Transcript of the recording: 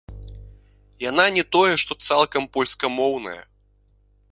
Яна не тое што цалкам польскамоўная.